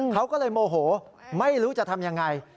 เขาก็เลยโมโหไม่รู้จะทำยังไง